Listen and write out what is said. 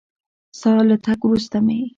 ستا له تګ وروسته مې